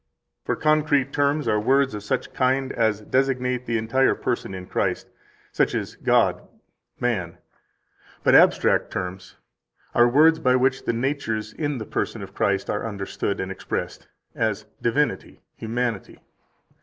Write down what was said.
14 For concrete terms are words of such a kind as designate the entire person in Christ, such as God, man. But abstract terms are words by which the natures in the person of Christ are understood and expressed, as divinity, humanity.